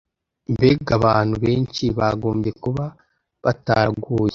Mbega abantu benshi bagombye kuba bataraguye